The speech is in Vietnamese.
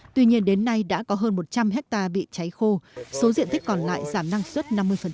tuy nhiên đến nay đã có hơn một trăm linh hectare bị cháy khô số diện tích còn lại giảm năng suất năm mươi